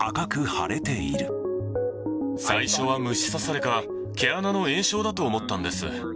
最初は虫刺されか、毛穴の炎症だと思ったんです。